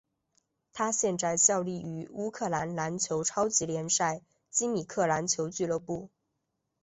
他现在效力于乌克兰篮球超级联赛基米克篮球俱乐部。